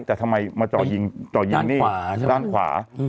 แต่ทำไมมาจ่อยิงนี่ด้านขวา